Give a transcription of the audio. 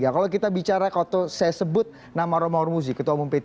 kalau kita bicara kalau saya sebut nama romahur muzi ketua umum p tiga